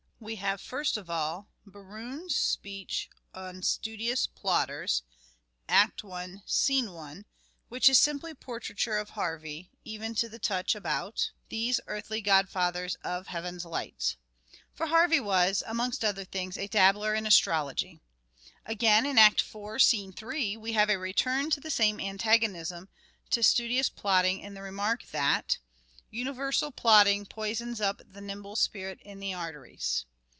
We have first of all Berowne's 290 MANHOOD OF DE VERE : MIDDLE PERIOD 291 speech on studious plodders (I, i) which is simply portraiture of Harvey, even to the touch about "These earthly godfathers of heaven's lights." For Harvey was, amongst other things, a dabbler in astrology. Again in Act IV, 3, we have a return to the same antagonism to studious plodding in the remark that " Universal plodding poisons up The nimble spirit in the arteries."